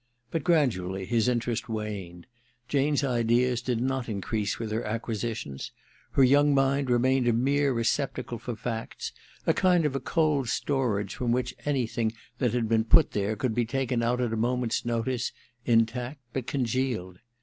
But gradually his interest waned. Jane's ideas did not increase with her acqui* sitions. Her young mind remained a mere receptacle for facts : a kind of cold storage from which anything which had been put there could be taken out at a moment's notice, intact but congealed.